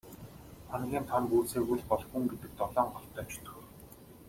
Хоногийн тоо нь гүйцээгүй л бол хүн гэдэг долоон голтой чөтгөр.